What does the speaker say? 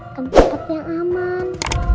ke tempat yang aman